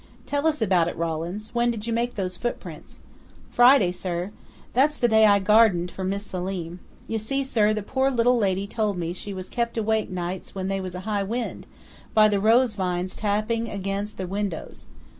"Tell us all about it, Rawlins.... When did you make those footprints?" "Friday, sir. That's the day I gardened for Mis' Selim.... You see, sir, the poor little lady told me she was kept awake nights when they was a high wind, by the rose vines tapping against the windows.